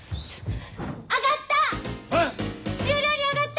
・上がった！